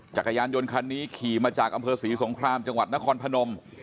จักรยานยนต์คันนี้ขี่มาจากอำเภอศรีสงครามจังหวัดนครพนม